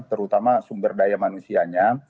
terutama sumber daya manusianya